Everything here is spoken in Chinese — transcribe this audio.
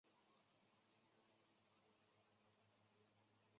九把刀作品方文山作品陈奕先作品黄子佼作品